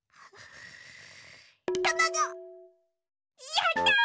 やった！